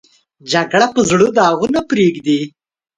جګړه په زړه داغونه پرېږدي